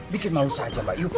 bikin mau saja mbak ipa